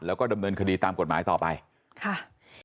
แล้วก็ดำเนินคดีตามกฎหมายต่อไปค่ะ